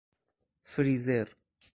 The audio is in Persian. فریزر